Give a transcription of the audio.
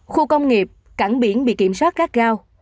khu công nghiệp cảng biển bị kiểm soát rác rau